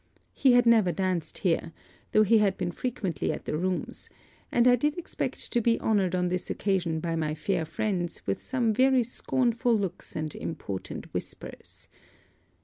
He had never danced here, though he had been frequently at the rooms; and I did expect to be honoured on this occasion by my fair friends with some very scornful looks and important whispers.